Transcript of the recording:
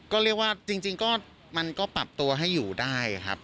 ก็เรียกว่าจริงก็มันก็ปรับตัวให้อยู่ได้ครับ